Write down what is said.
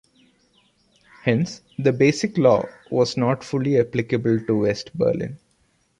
Hence, the Basic Law was not fully applicable to West Berlin.